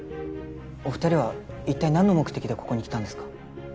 お２人は一体何の目的でここに来たんですか？